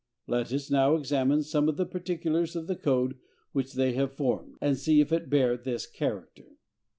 Let us now examine some of the particulars of the code which they have formed, and see if it bear this character.